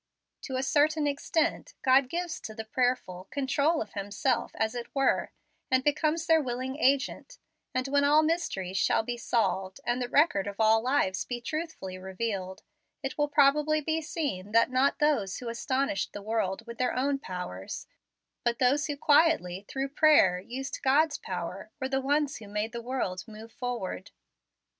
To a certain extent, God gives to the prayerful control of Himself, as it were, and becomes their willing agent; and when all mysteries shall be solved, and the record of all lives be truthfully revealed, it will probably be seen that not those who astonished the world with their own powers, but those who quietly, through prayer, used God's power, were the ones who made the world move forward.